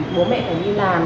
bố mẹ phải đi làm